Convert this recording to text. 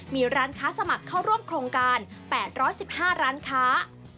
มีร้านค้าสมัครเข้าร่วมโครงการ๘๑๕ร้านค้า